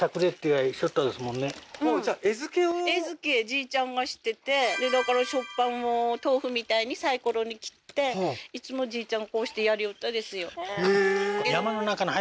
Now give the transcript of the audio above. もうじゃあだから食パンを豆腐みたいにサイコロに切っていつもじいちゃんこうしてやりよったですよ